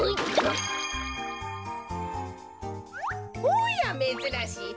おやめずらしい。